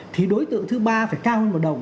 thì đối tượng thứ ba phải cao hơn một đồng